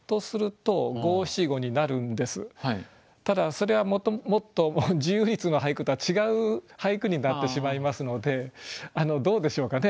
ただそれは自由律の俳句とは違う俳句になってしまいますのでどうでしょうかね